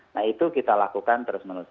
nah itu kita lakukan terus menerus